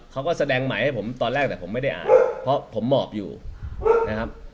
เขาก็แสดงใหม่ให้ผมตอนแรกแต่ผมไม่ได้อ่านเพราะผมหมอบอยู่นะครับ